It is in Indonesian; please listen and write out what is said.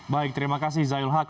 baik terima kasih zayul haq